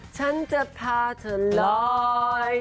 ฉันจะพาเธอลอย